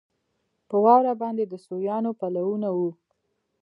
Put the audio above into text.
پر واوره باندې د سویانو پلونه وو.